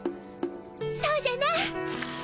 そうじゃな！